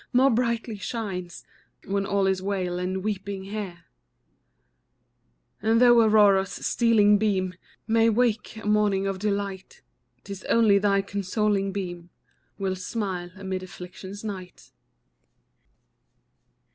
more brightly shines When all is wail and weeping here. And though Aurora's stealing beam May wake a morning of delight, 'Tis only thy consoling beam Will smile amid affliction's night.